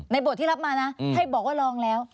บทที่รับมานะให้บอกว่าลองแล้ว